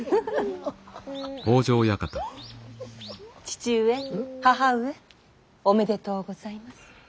父上義母上おめでとうございます。